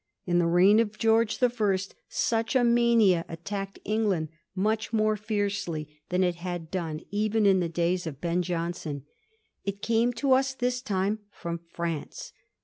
In the reign of George the First such a mania attacked England much more fiercely than it had done even in the days of Ben Jonson. It came to us this time from France.